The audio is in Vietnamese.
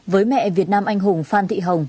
với mẹ việt nam anh hùng phan thị hồng